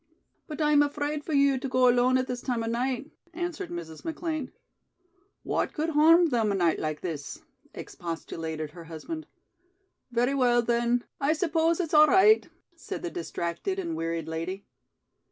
"But I'm afraid for you to go alone at this time of night," answered Mrs. McLean. "What could harm them a night like this?" expostulated her husband. "Very well, then. I suppose it's all right," said the distracted and wearied lady.